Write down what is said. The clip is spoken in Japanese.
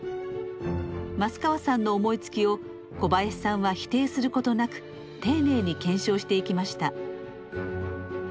益川さんの思いつきを小林さんは否定することなく丁寧に検証していきました。